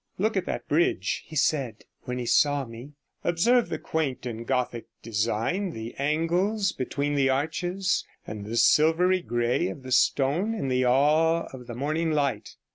'Look at that bridge,' he said, when he saw me; 'observe the quaint and Gothic design, the angles between the arches, and the silvery grey of the stone in the awe of the morning light.